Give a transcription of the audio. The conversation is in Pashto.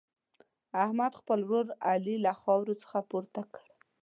احمد، خپل ورور علي له خاورو څخه پورته کړ.